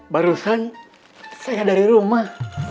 barusan saya dari rumah